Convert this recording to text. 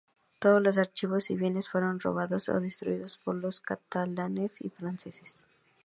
Todos los archivos y bienes fueron robados o destruidos por los catalanes y franceses.